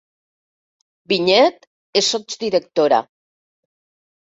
Vinyet és sots-directora